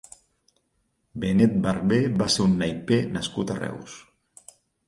Benet Barber va ser un naiper nascut a Reus.